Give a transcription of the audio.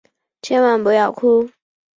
千万不要哭！